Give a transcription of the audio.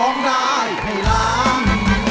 สดชื่น